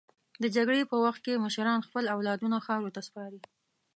د جګړې په وخت کې مشران خپل اولادونه خاورو ته سپاري.